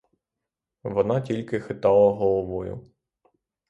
Вона тільки хитала головою.